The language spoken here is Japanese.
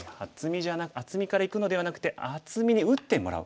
厚みからいくのではなくて厚みに打ってもらう。